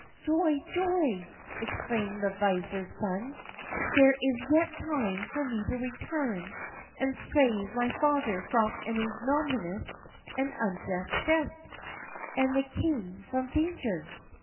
"Joy, joy!" exclaimed the vizier's son. "There is yet time for me to return and save my father from an ignominious and unjust death, and the king from danger."